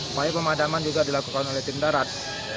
upaya pemadaman juga dilakukan oleh tim darat